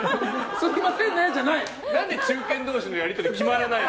すみませんねじゃないよ。